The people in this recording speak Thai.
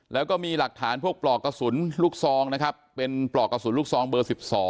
แล้วก็มีหลักฐานพวกปลอกกระสุนลูกซองนะครับเป็นปลอกกระสุนลูกซองเบอร์๑๒